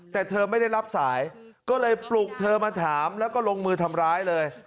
แต่เธอไม่ได้รับสายก็เลยปลุกเธอมาถามแล้วก็ลงมือทำร้ายเลย